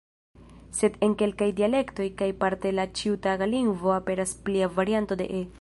Sed en kelkaj dialektoj kaj parte la ĉiutaga lingvo aperas plia varianto de "e".